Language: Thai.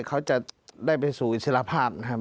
เขาจะได้ไปสู่อิสระภาพนะครับ